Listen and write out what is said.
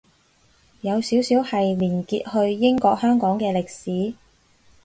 有少少係連結去英國香港嘅歷史